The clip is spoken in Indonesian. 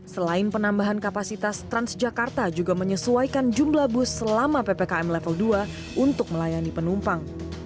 selain penambahan kapasitas transjakarta juga menyesuaikan jumlah bus selama ppkm level dua untuk melayani penumpang